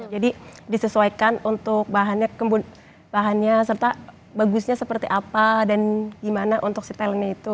jadi disesuaikan untuk bahannya serta bagusnya seperti apa dan gimana untuk styling nya itu